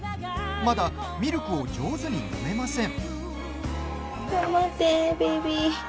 まだミルクを上手に飲めません。